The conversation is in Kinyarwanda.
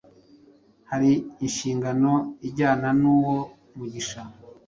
hari inshingano ijyana n’uwo mugisha.